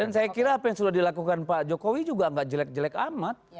dan saya kira apa yang sudah dilakukan pak jokowi juga gak jelek jelek amat